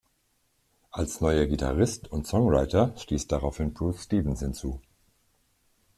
Als neuer Gitarrist und Songwriter stieß daraufhin Bruce Stephens hinzu.